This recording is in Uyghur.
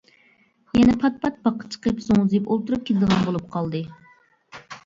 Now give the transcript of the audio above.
يەنە پات-پات باغقا چىقىپ زوڭزىيىپ ئولتۇرۇپ كېتىدىغان بولۇپ قالدى.